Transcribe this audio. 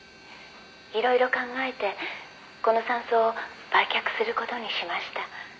「いろいろ考えてこの山荘を売却する事にしました」